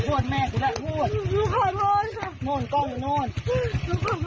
ขอโทษแม่กูแหละโทษขอโทษครับโน่นกล้องอยู่โน่น